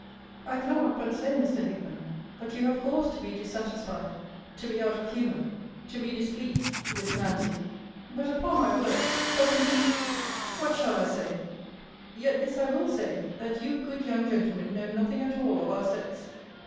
I cannot but say, Mr. Hickman, but you have cause to be dissatisfied to be out of humour to be displeased with Nancy but, upon my word; but indeed What shall I say? Yet this I will say, that you good young gentlemen know nothing at all of our sex.